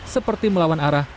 seperti melawan arah